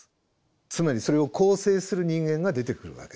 つまりそれを構成する人間が出てくるわけです。